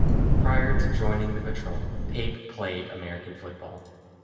Prior to joining the Patrol, Pape played American football.